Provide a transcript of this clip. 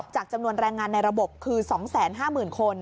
จำนวนแรงงานในระบบคือ๒๕๐๐๐คน